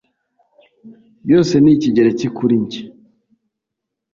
byose ni ikigereki kuri njye